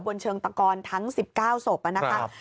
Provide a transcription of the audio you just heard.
บนเชิงตะกอนทั้ง๑๙ศพน่ะค่ะ